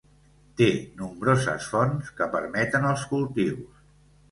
Té nombroses fonts que permeten els cultius.